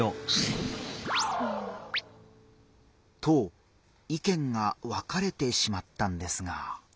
と意見が分かれてしまったんですが。